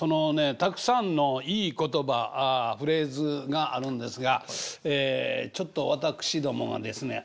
たくさんのいい言葉フレーズがあるんですがちょっと私どもがですね